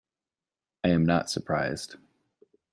I am not surprised.